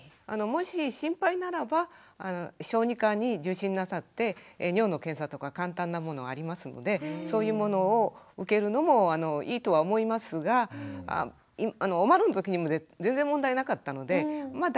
もし心配ならば小児科に受診なさって尿の検査とか簡単なものありますのでそういうものを受けるのもいいとは思いますがおまるのときにも全然問題なかったので大丈夫じゃないかとは思いますけどね。